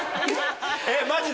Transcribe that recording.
マジで？